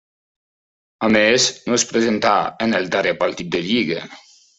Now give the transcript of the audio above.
A més no es presentà en el darrer partit de lliga.